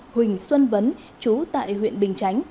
huỳnh xuân vấn chú tại huyện bình chánh